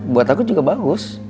buat aku juga bagus